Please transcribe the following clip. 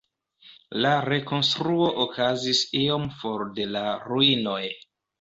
La rekonstruo okazis iom for de la ruinoj.